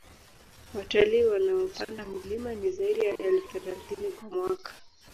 Watalii wanaopanda mlima ni zaidi ya elfu thelathini kwa mwaka